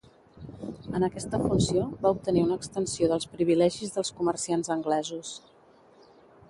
En aquesta funció, va obtenir una extensió dels privilegis dels comerciants anglesos.